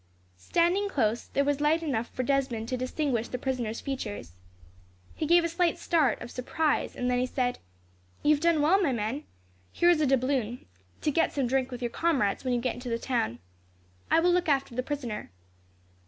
Standing close, there was light enough for Desmond to distinguish the prisoner's features. He gave a slight start of surprise, then he said: "You have done well, my men. Here is a doubloon, to get some drink with your comrades when you get into the town. I will look after the prisoner."